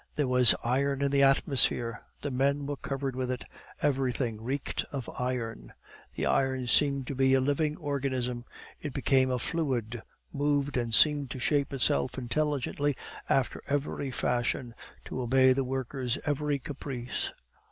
There was iron in the atmosphere; the men were covered with it; everything reeked of iron. The iron seemed to be a living organism; it became a fluid, moved, and seemed to shape itself intelligently after every fashion, to obey the worker's every caprice.